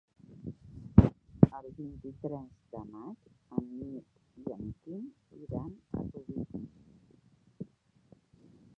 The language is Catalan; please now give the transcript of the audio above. El vint-i-tres de maig en Mirt i en Quim iran a Rubí.